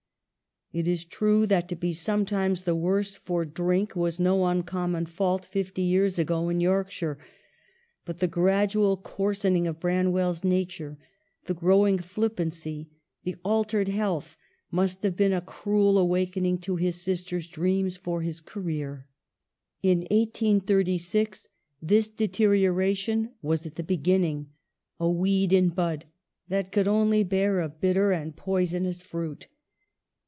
It is true that to be sometimes the worse for drink was no uncommon fault fifty years ago j8 EMILY BRONTE. * in Yorkshire ; but the gradual coarsening of Branwell's nature, the growing flippancy, the altered health, must have given a cruel awaken ing to his sisters' dreams for his career. In 1836 this deterioration was at the beginning; a weed in bud that could only bear a bitter and poisonous fruit.